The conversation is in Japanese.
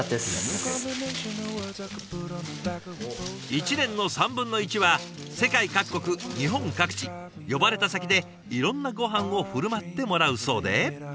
一年の３分の１は世界各国日本各地呼ばれた先でいろんなごはんを振る舞ってもらうそうで。